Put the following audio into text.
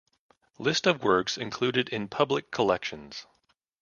List of works included in public collections.